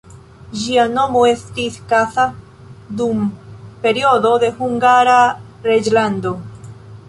Ĝia nomo estis Kassa dum periodo de Hungara reĝlando.